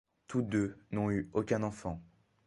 Tous deux n'ont eu aucun enfant.